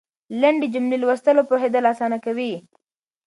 لنډې جملې لوستل او پوهېدل اسانه کوي.